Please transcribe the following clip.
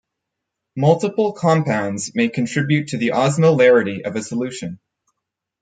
Multiple compounds may contribute to the osmolarity of a solution.